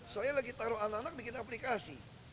saya lagi taruh anak anak bikin aplikasi